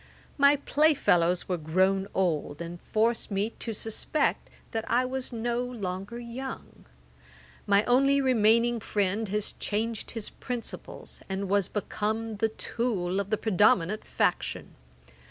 My play fellows were grown old, and forced me to suspect that I was no longer young. My only remaining friend has changed his principles, and was become the tool of the predominant faction.